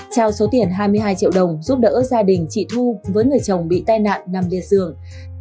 trao số tiền hai mươi hai triệu đồng giúp đỡ gia đình trị thu với người chồng bị tai nạn nằm liệt dường